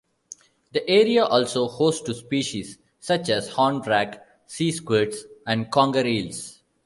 The area also host to species such as hornwrack, sea squirts and conger eels.